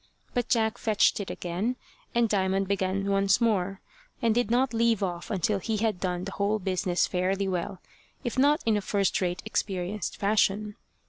But Jack fetched it again, and Diamond began once more, and did not leave off until he had done the whole business fairly well, if not in a first rate, experienced fashion.